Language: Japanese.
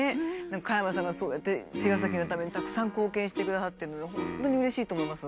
加山さんがそうやって茅ヶ崎のためにたくさん貢献してくださって本当にうれしいと思います。